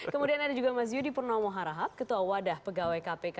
kemudian ada juga mas yudi purnomo harahap ketua wadah pegawai kpk